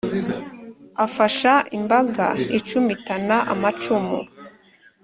afasha imbaga icumitana amacumu!